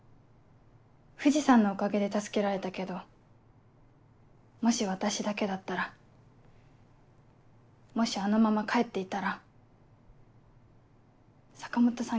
藤さんのおかげで助けられたけどもし私だけだったらもしあのまま帰っていたら坂本さん